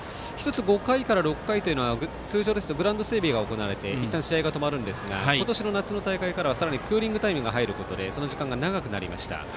５回から６回は通常ですとグラウンド整備が行われていったん試合が止まるんですが今年の夏の大会からはさらにクーリングタイムが入るということでその時間が長くなりました。